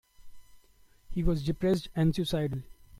He was depressed and suicidal.